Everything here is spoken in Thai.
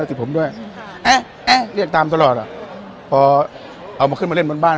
ติดผมด้วยเอ๊ะเรียกตามตลอดอ่ะพอเอามาขึ้นมาเล่นบนบ้าน